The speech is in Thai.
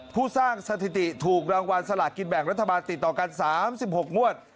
ผู้สร้างสถิติถูกรางวัลสลากินแบ่งรัฐบาลติดต่อกัน๓๖งวด